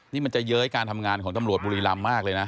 นี่มันจะเย้ยการทำงานของตำรวจบุรีรำมากเลยนะ